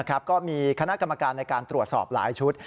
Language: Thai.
ก็มีคณะกรรมการในการตรวจสอบหลายชุด